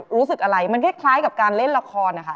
รู้สึกอะไรมันคล้ายกับการเล่นละครนะคะ